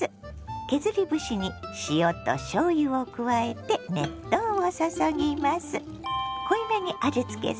削り節に塩としょうゆを加えて熱湯を注ぎます。